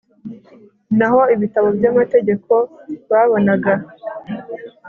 naho ibitabo by'amategeko babonaga